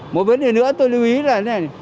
một vấn đề nữa tôi lưu ý là